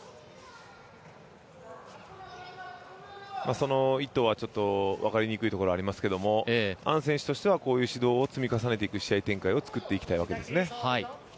その意図は分かりにくいところがありますけどこういう指導を積み重ねていく試合展開を作りたいわけですね。